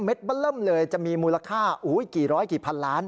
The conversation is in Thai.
เม็ดเบิ่นเริ่มเลยจะมีมูลค่ากี่ร้อยกี่พันล้าน